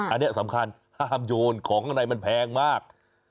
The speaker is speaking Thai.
อันนี้สำคัญห้ามโยนของข้างในมันแพงมาก